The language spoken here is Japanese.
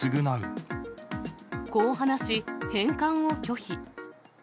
こう話し、返還を拒否。